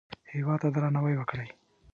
هېواد ته درناوی وکړئ